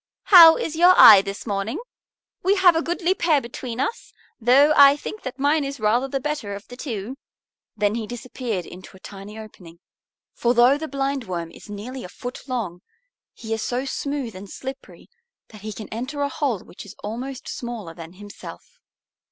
"How is your eye this morning? We have a goodly pair between us; though I think that mine is rather the better of the two." Then he disappeared into a tiny opening. For though the Blindworm is nearly a foot long he is so smooth and slippery that he can enter a hole which is almost smaller than himself.